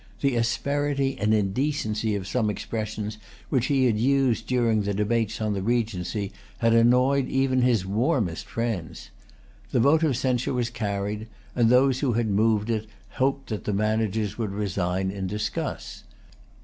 The asperity and indecency of some expressions which he had used during the debates on the Regency had annoyed even his warmest friends. The vote of censure was carried; and those who had moved it hoped that the managers would resign in disgust.